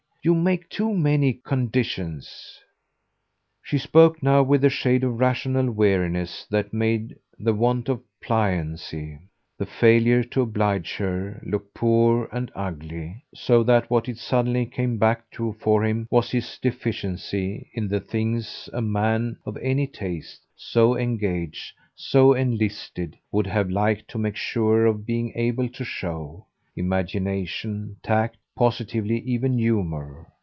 You make too many conditions." She spoke now with a shade of rational weariness that made the want of pliancy, the failure to oblige her, look poor and ugly; so that what it suddenly came back to for him was his deficiency in the things a man of any taste, so engaged, so enlisted, would have liked to make sure of being able to show imagination, tact, positively even humour.